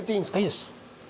いいです。